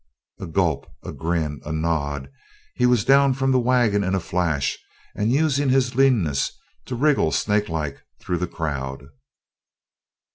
A gulp, a grin, a nod, he was down from the wagon in a flash and using his leanness to wriggle snakelike through the crowd.